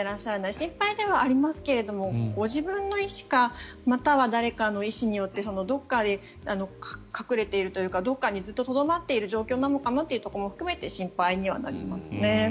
心配ではありますけれどもご自分の意思かまたは誰かの意思によってどこかに隠れているかどこかにずっととどまっている状況なのかなということも含めて心配にはなりますね。